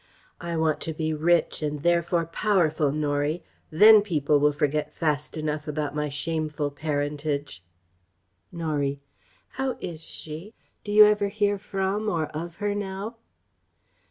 "I want to be rich and therefore powerful, Norie! Then people will forget fast enough about my shameful parentage." Norie: "How is she? Do you ever hear from or of her now?"